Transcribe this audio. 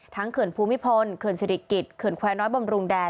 เขื่อนภูมิพลเขื่อนศิริกิจเขื่อนแควร์น้อยบำรุงแดน